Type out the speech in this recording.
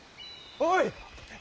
おい！